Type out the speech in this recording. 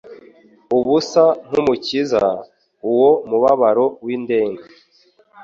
ubusa kw’Umukiza. Uwo mubabaro w’indenga